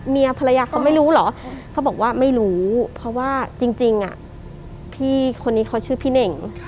เมียภรรยาเขาไม่รู้เหรอเขาบอกว่าไม่รู้เพราะว่าจริงพี่คนนี้เขาชื่อพี่เน่ง